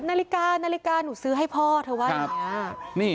นาฬิกานาฬิกาหนูซื้อให้พ่อเธอว่าอย่างนี้